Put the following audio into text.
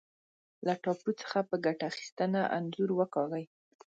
له ټاپو څخه په ګټه اخیستنه انځور وکاږئ.